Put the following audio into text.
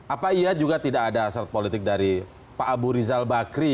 apa iya juga tidak ada hasrat politik dari pak abu rizal bakri